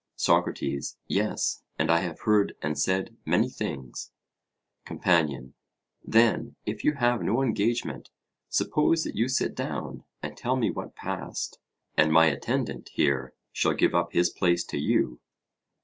SOCRATES: Yes; and I have heard and said many things. COMPANION: Then, if you have no engagement, suppose that you sit down and tell me what passed, and my attendant here shall give up his place to you.